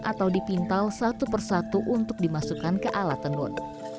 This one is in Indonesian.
atau dipintal satu persatu untuk dimasukkan ke alat tenun